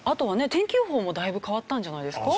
天気予報もだいぶ変わったんじゃないですか？